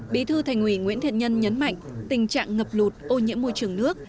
bí thư thành ủy nguyễn thiện nhân nhấn mạnh tình trạng ngập lụt ô nhiễm môi trường nước